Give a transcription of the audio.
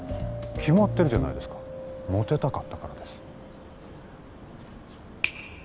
決まってるじゃないですかモテたかったからです